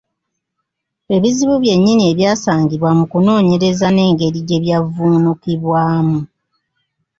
Ebizibu byennyini ebyasangibwa mu kunoonyereza n’engeri gye byavvuunukibwamu.